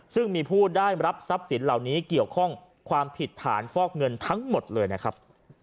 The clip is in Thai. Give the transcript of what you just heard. ซึ่งมีผู้ได้รับทรัพย์สินเหล่านี้เกี่ยวข้องความผิดฐานฟอกเงินทั้งหมดเลยนะครับ